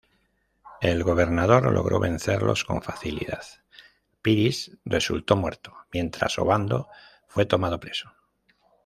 El gobernador logró vencerlos con facilidad; Piris resultó muerto, mientras Obando fue tomado preso.